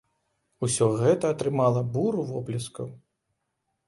Усё гэта атрымала буру воплескаў.